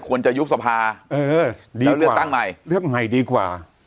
ควรจะยุบสภาดีเลือกตั้งใหม่เลือกใหม่ดีกว่า